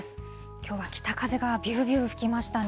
きょうは北風がびゅーびゅー吹きましたね。